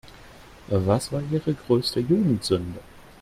Was war Ihre größte Jugendsünde?